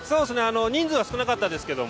人数は少なかったんですけど